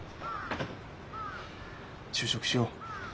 就職しよう。